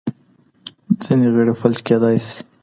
ځینې غړي فلج کېدای شي.